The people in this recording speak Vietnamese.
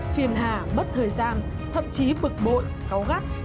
phiền hà bất thời gian thậm chí bực bội cáu gắt